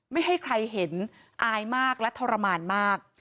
ไม่ให้ใครเห็นอายมากและทรมานมาก